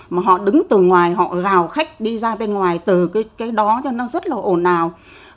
mà họ đứng từ ngoài họ gào khách đi ra bên ngoài từ cái đó cho nó rất là ổn ào